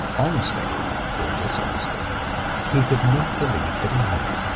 Honestly (or dishonestly) he could not believe that he had.